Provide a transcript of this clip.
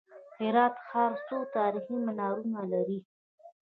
هرات ښار څو تاریخي منارونه لري؟